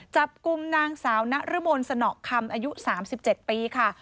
จับกลุ่มนางสาวนรมนสนอคำอายุ๓๗ปีค่ะ